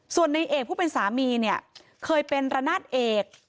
ส่วนในเอกผู้เป็นสามีเนี่ยเคยเป็นระนาดเอก